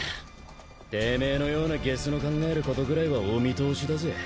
てめえのようなゲスの考えることぐらいはお見通しだぜ。